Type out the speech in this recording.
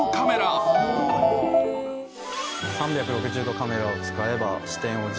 ３６０度カメラを使えば。